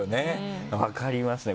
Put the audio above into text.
分かりますね